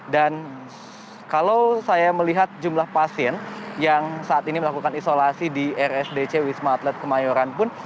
dan kalau saya melihat jumlah pasien yang saat ini melakukan isolasi di rsdc wisma atlet kemayoran pun